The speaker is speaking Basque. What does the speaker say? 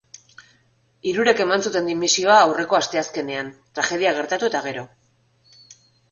Hirurek eman zuten dimisioa aurreko asteazkenean tragedia gertatu eta gero.